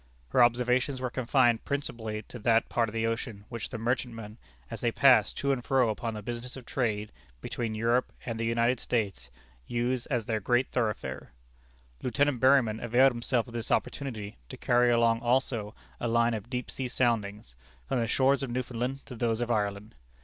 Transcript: Her observations were confined principally to that part of the ocean which the merchantmen, as they pass to and fro upon the business of trade between Europe and the United States, use as their great thoroughfare. Lieutenant Berryman availed himself of this opportunity to carry along also a line of deep sea soundings, from the shores of Newfoundland to those of Ireland.